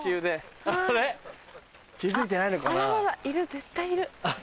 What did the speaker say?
絶対いる！